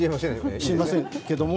しませんけども。